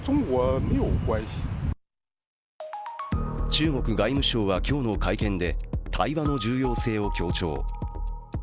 中国外務省は今日の会見で対話の重要性を強調。